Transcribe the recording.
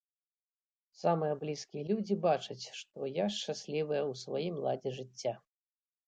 Самыя блізкія людзі бачаць, што я шчаслівая ў сваім ладзе жыцця.